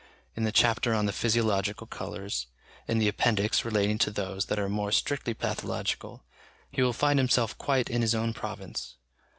In the chapter on the physiological colours, in the Appendix relating to those that are more strictly pathological, he will find himself quite in his own province.